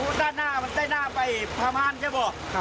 โอ้โหด้านหน้ามันใต้หน้าไปพรามารใช่เปล่า